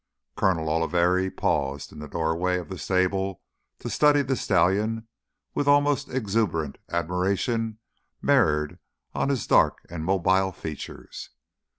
Coronel Oliveri paused in the doorway of the stable to study the stallion with almost exuberant admiration mirrored on his dark and mobile features.